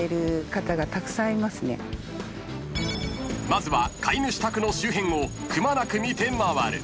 ［まずは飼い主宅の周辺をくまなく見て回る］